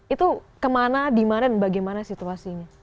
itu kemana dimana dan bagaimana situasinya